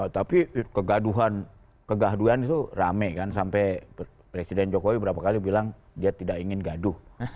tapi kegaduhan kegaduhan itu rame kan sampai presiden jokowi berapa kali bilang dia tidak ingin gaduh